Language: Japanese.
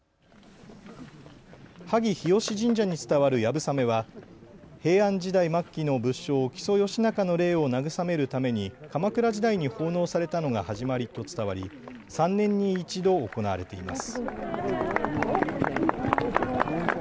萩日吉神社に伝わる流鏑馬は平安時代末期の武将、木曽義仲の霊を慰めるために鎌倉時代に奉納されたのが始まりと伝わり３年に１度行われています。